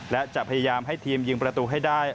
และจะพยายามให้ทีมยิงประตูให้ได้